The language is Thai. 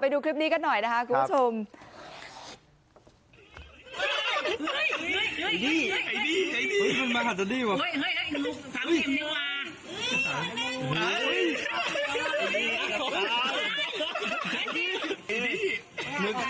ไปดูคลิปนี้กันหน่อยนะคะคุณผู้ชม